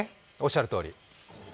おっしゃるとおり！